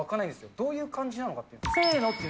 どういう感じなのかっていう。